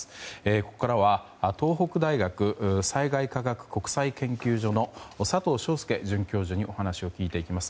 ここからは東北大学災害科学国際研究所の佐藤翔輔准教授にお話を聞いていきます。